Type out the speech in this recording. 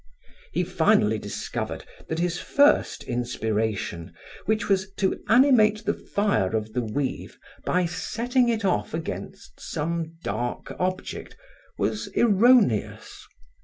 He finally discovered that his first inspiration, which was to animate the fire of the weave by setting it off against some dark object, was erroneous.